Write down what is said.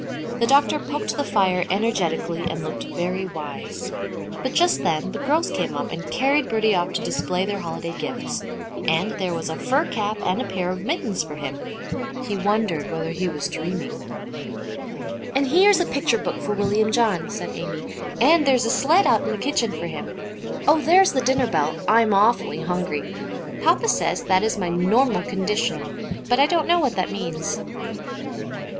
The doctor poked the fire energetically and looked very wise. But just then the girls came up and carried Bertie off to display their holiday gifts. And there was a fur cap and a pair of mittens for him! He wondered whether he was dreaming. "And here's a picture book for William John," said Amy, "and there is a sled out in the kitchen for him. Oh, there's the dinner bell. I'm awfully hungry. Papa says that is my 'normal condition,' but I don't know what that means."